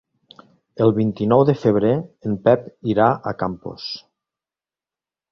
El vint-i-nou de febrer en Pep irà a Campos.